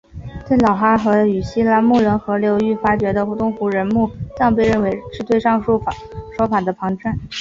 在老哈河与西拉木伦河流域发掘的东胡人墓葬被认为是对上述说法的旁证。